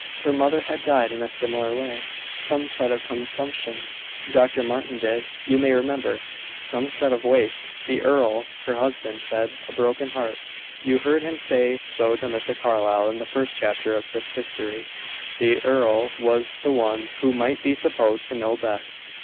Her mother had died in a similar way. Some said of consumption Dr. Martin did, you may remember; some said of "waste;" the earl, her husband, said a broken heart you heard him say so to Mr. Carlyle in the first chapter of this history. The earl was the one who might be supposed to know best.